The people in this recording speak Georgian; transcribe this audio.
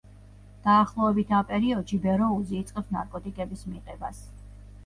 დაახლოებით ამ პერიოდში ბეროუზი იწყებს ნარკოტიკების მიღებას.